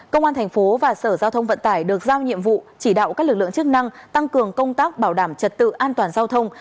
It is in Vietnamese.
công an thành phố và sở giao thông vận tải được giao nhiệm vụ chỉ đạo các lực lượng chức năng tăng cường công tác bảo đảm trật tự an toàn giao thông